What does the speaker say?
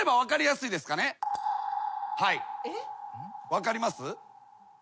分かります？あっ。